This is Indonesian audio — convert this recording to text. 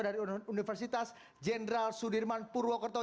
dari universitas jenderal sudirman purwokerto